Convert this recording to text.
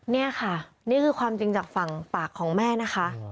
นี่ค่ะนี่คือความจริงจากฝั่งปากของแม่นะคะ